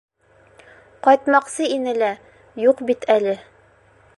— Ҡайтмаҡсы ине лә, юҡ бит әле.